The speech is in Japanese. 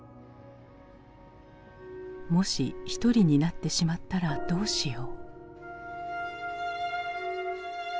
「もし一人になってしまったらどうしよう」。